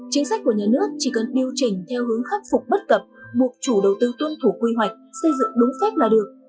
chính sách của nhà nước chỉ cần điều chỉnh theo hướng khắc phục bất cập buộc chủ đầu tư tuân thủ quy hoạch xây dựng đúng phép là được